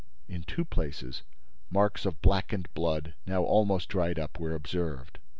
In two places, marks of blackened blood, now almost dried up, were observed.